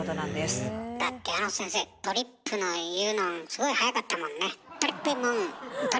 だってあの先生「ＴＲＰ」の言うのんすごい速かったもんね。